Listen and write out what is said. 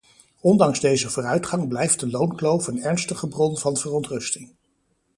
Ondanks deze vooruitgang blijft de loonkloof een ernstige bron van verontrusting.